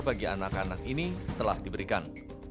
bagi anak anak ini telah diberikan